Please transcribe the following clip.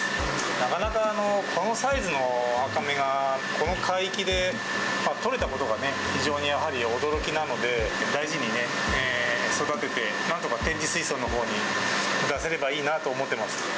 なかなかこのサイズのアカメがこの海域で取れたことがね、非常にやはり驚きなので、大事にね、育てて、なんとか展示水槽のほうに出せればいいなと思ってます。